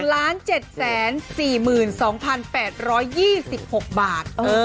๑ล้าน๗๔๒๘๒๖บาท